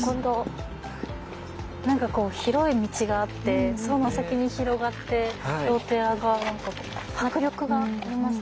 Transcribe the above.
何かこう広い道があってその先に広がってるお寺が迫力があります。